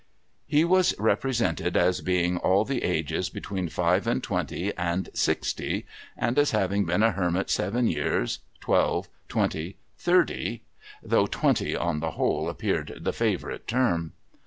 He was represented as being all the ages between five and twenty and sixty, and as having been a hermit seven years, twelve, twenty, thirty, — though twenty, on the whole, appeared the favourite term.